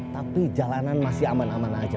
tapi jalanan masih aman aman aja